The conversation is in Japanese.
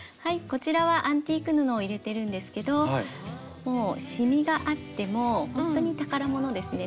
こちらはアンティーク布を入れてるんですけどもうシミがあってもほんとに宝物ですね。